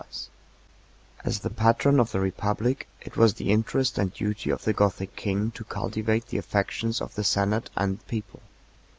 ] As the patron of the republic, it was the interest and duty of the Gothic king to cultivate the affections of the senate 58 and people.